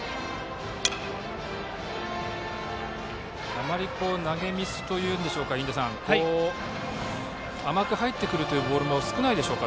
あまり投げミスといいますか甘く入ってくるというボールも少ないでしょうか。